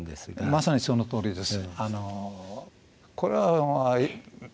まさにそのとおりです。